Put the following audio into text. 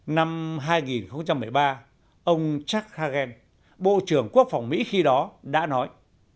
năm hai nghìn một mươi ba ông chuck hagen bộ trưởng quốc phòng mỹ khi đó đã nói